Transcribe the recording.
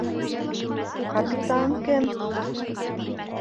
Капитан кем?